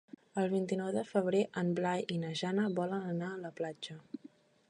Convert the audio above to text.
El vint-i-nou de febrer en Blai i na Jana volen anar a la platja.